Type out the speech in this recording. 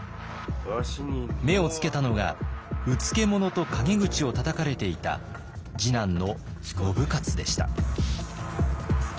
目をつけたのがうつけ者と陰口をたたかれていた次男の信雄でした。